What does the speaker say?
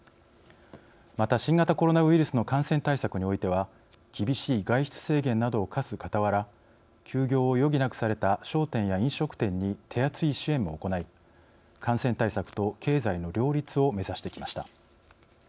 また、新型コロナウイルスの感染対策においては厳しい外出制限などを課すかたわら休業を余儀なくされた商店や飲食店に手厚い支援も行い感染対策と経済の両立を目指してきました。